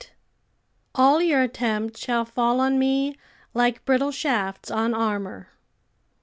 "All your attempts Shall fall on me like brittle shafts on armor."